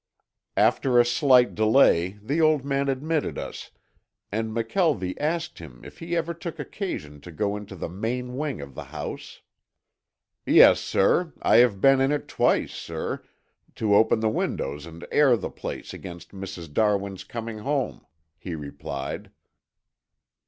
After a slight delay the old man admitted us and McKelvie asked him if he ever took occasion to go into the main wing of the house. "Yes, sir. I have been in twice, sir, to open the windows and air the place against Mrs. Darwin's coming home," he replied.